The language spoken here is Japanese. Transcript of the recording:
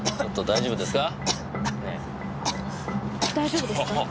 大丈夫ですか？